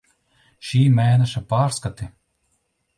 Šī mēneša pārskati.